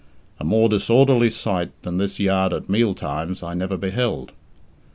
A more disorderly sight than this yard at meal times I never beheld.